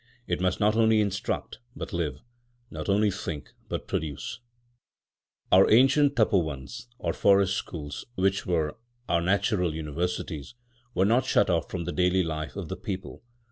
It must not only instruct, but live; not only think, but produce. Our ancient tapovanas, or forest schools, which were our natural universities, were not shut off from the daily life of the people.